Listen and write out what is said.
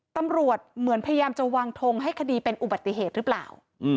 เหมือนพยายามจะวางทงให้คดีเป็นอุบัติเหตุหรือเปล่า